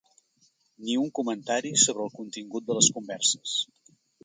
Ni un comentari sobre el contingut de les converses.